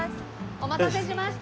お待たせしました。